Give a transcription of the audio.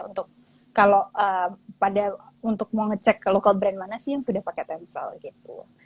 untuk kalau pada untuk mau ngecek ke local brand mana sih yang sudah pakai tensel gitu